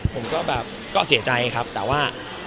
ผมก็แบบก็เสียใจครับแต่ว่า